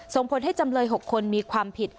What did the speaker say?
ส่งผลให้จำเลย๖คนมีความผิด